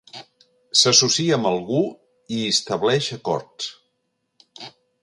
S'associa amb algú i hi estableix acords.